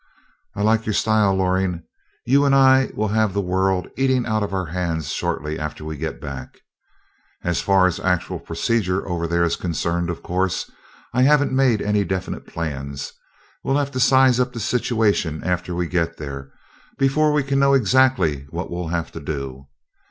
"I like your style, Loring. You and I will have the world eating out of our hands shortly after we get back. As far as actual procedure over there is concerned, of course, I haven't made any definite plans. We'll have to size up the situation after we get there before we can know exactly what we'll have to do.